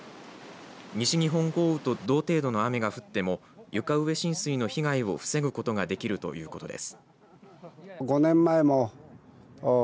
西日本豪雨と同程度の雨が降っても床上浸水の被害を防ぐことができるということです。